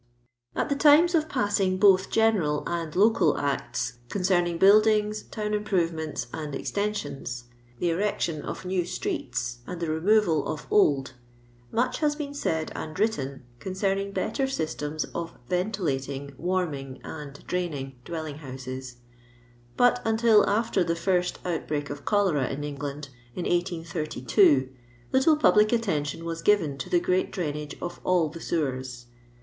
At the times of passing both general and local Acts concerning buildings, town improvements and extensions, the erection of new streets and the removal of old, much has been said and written concerning better systems of ventilating, warming, and draining dwelling houses ; but until after the first outbreak of cholera iu Engbnd, in 1S32, little public attention was given to the great drainage of all the sewers.